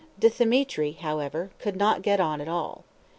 Dthemetri, however, could not get on at all.